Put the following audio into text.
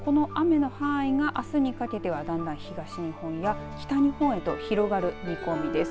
この雨の範囲があすにかけてはだんだん東日本や北日本へと広がる見込みです。